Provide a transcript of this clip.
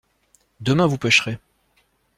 Demain vous pêcherez.